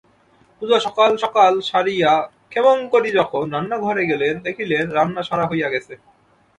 পূজা সকাল-সকাল সারিয়া ক্ষেমংকরী যখন রান্নাঘরে গেলেন, দেখিলেন, রান্না সারা হইয়া গেছে।